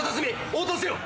応答せよ！